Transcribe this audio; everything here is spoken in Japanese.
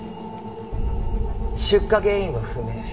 出火原因は不明。